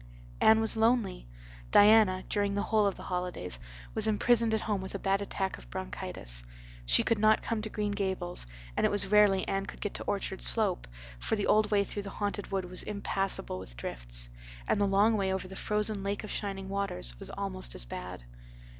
Anne was lonely; Diana, during the whole of the holidays, was imprisoned at home with a bad attack of bronchitis. She could not come to Green Gables and it was rarely Anne could get to Orchard Slope, for the old way through the Haunted Wood was impassable with drifts, and the long way over the frozen Lake of Shining Waters was almost as bad.